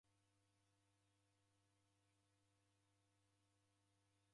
Kaw'adana na omoni udakulaghasha.